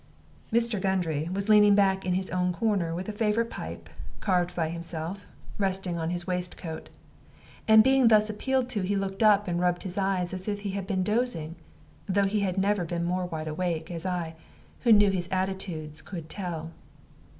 Mr. Gundry was leaning back in his own corner, with a favorite pipe, carved by himself, reposing on his waistcoat. And being thus appealed to, he looked up and rubbed his eyes as if he had been dozing, though he never had been more wide awake, as I, who knew his attitudes, could tell.